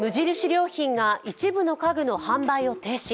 良品が一部の家具の販売を停止。